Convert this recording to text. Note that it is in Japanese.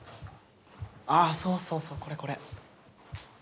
あそうそうそうこれこれ。